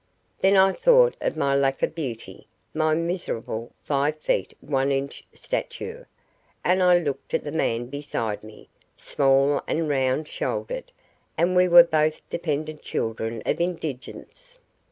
Then I thought of my lack of beauty, my miserable five feet one inch stature, and I looked at the man beside me, small and round shouldered, and we were both dependent children of indigence.